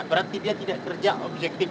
berarti dia tidak kerja objektif